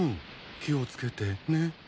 気を付けてね。